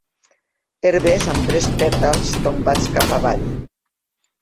Herbes amb tres pètals tombats cap avall.